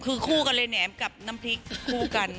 คือคู่กันเลยแหนมกับน้ำพริกคู่กัน